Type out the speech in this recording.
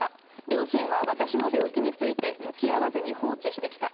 両親は私の病気について向き合わずに放置してきた。